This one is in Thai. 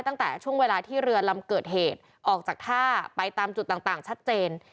ตั้งแต่ช่วงเวลาที่เรือลำเกิดเหตุออกจากท่าไปตามจุดต่างชัดเจน